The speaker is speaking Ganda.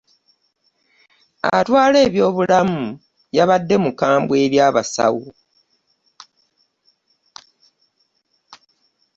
Atwala ebyobulamu yabadde mukambwe eri abasawo.